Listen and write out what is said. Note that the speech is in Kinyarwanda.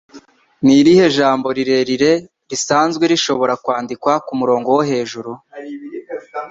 Ni irihe jambo rirerire risanzwe rishobora kwandikwa kumurongo wo hejuru?